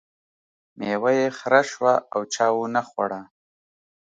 میوه یې خره شوه او چا ونه خوړه.